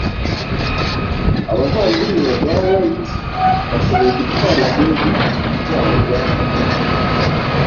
abavandimwe ba wright bashoboye gutwara indege itwarwa na moteri